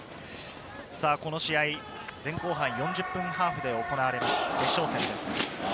この試合、前後半４０分ハーフで行われます、決勝戦です。